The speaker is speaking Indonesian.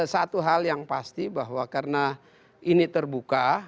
satu hal yang pasti bahwa karena ini terbuka